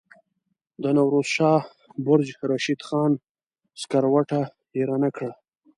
د نوروز شاه برج رشید خان سکروټه ایره نه کړه.